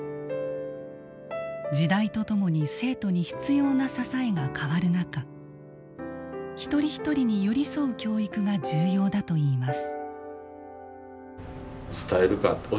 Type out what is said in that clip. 時代とともに生徒に必要な支えが変わる中一人一人に寄り添う教育が重要だといいます。